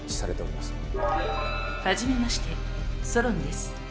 初めましてソロンです。